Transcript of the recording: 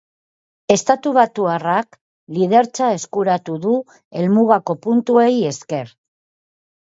Estatubatuarrak lidertza eskuratu du helmugako puntuei esker.